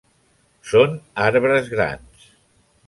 Són arbres grans.